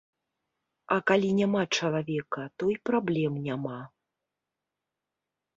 А калі няма чалавека, то і праблем няма.